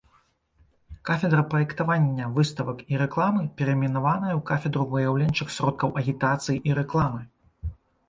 Кафедра праектавання выставак і рэкламы перайменаваная ў кафедру выяўленчых сродкаў агітацыі і рэкламы.